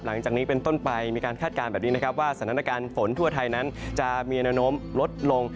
หลังจากนี้เป็นต้นไปมีการคาดการณ์แบบนี้นะครับว่าสถานการณ์ฝนทั่วไทยนั้นจะมีแนวโน้มลดลง